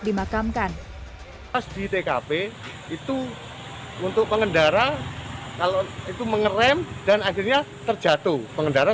dimakamkan pas di tkp itu untuk pengendara kalau itu mengerem dan akhirnya terjatuh pengendara